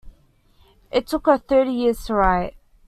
It took her thirty years to write.